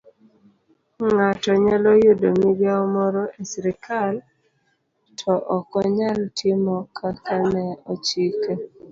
Ng'ato nyalo yudo migawo moro e sirkal to okonyal timo kaka ne ochike